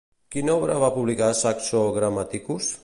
Quina obra va publicar Saxo Grammaticus?